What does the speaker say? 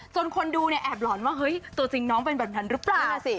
คนดูเนี่ยแอบหลอนว่าเฮ้ยตัวจริงน้องเป็นแบบนั้นหรือเปล่าสิ